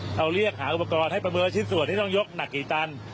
เราเรียกหาอุปกรณ์ให้ประเมินชิ้นส่วนที่ต้องยกหนักกี่ตัน